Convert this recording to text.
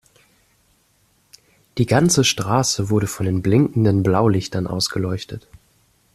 Die ganze Straße wurde von den blinkenden Blaulichtern ausgeleuchtet.